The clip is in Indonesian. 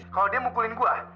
kalo dia mukulin gua